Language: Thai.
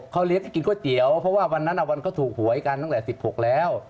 เขาเลี้ยงกินก๋วยเตี๋ยวเพราะว่าวันนั้นวันเขาถูกหวยกันตั้งแต่๑๖แล้ว